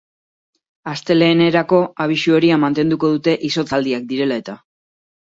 Astelehenerako abisu horia mantenduko dute izotzaldiak direla eta.